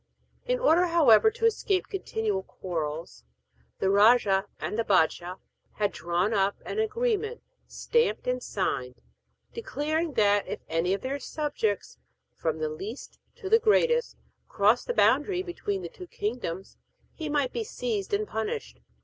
In order, however, to escape continual quarrels, the rajah and the bâdshah had drawn up an agreement, stamped and signed, declaring that if any of their subjects, from the least to the greatest, crossed the boundary between the two kingdoms, he might be seized and punished.